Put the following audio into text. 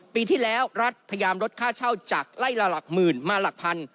ปีที่แล้วรัฐพยายามลดค่าเช่าจากไล่ละหลักหมื่นมาหลักพัน